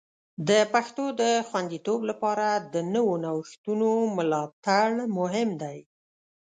د پښتو د خوندیتوب لپاره د نوو نوښتونو ملاتړ مهم دی.